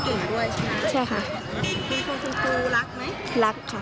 ที่จุ๊วรักไหมรัก